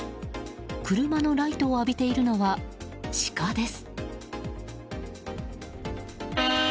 車のライトを浴びているのはシカです。